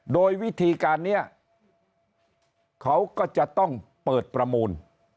โดยวิธีการนี้เขาก็จะต้องเปิดประมูล